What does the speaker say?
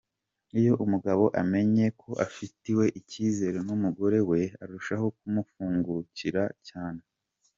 Iyo umugabo amenye ko afitiwe icyizere n'umugore we, arushaho kumufungukira cyane.